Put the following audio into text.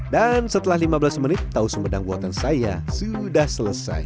dan setelah lima belas menit tahu sumber dangkuatan saya sudah selesai